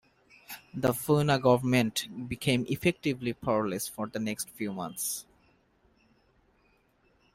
The Phouma Government became effectively powerless for the next few months.